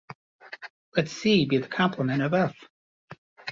Let "C" be the complement of "F".